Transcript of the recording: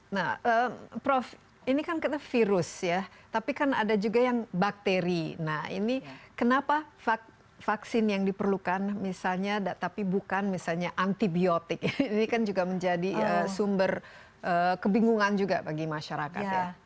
nah prof ini kan kita virus ya tapi kan ada juga yang bakteri nah ini kenapa vaksin yang diperlukan misalnya tapi bukan misalnya antibiotik ini kan juga menjadi sumber kebingungan juga bagi masyarakat ya